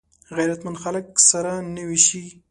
غیرتمند خلک سره نه وېشي